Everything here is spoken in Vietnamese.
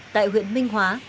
tại huyện minh hóa